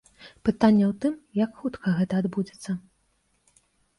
Пытанне ў тым, як хутка гэта адбудзецца.